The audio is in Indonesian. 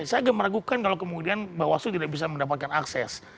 saya agak meragukan kalau kemudian bawaslu tidak bisa mendapatkan akses